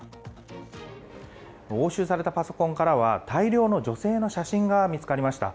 押収されたパソコンからは大量の女性の写真が見つかりました。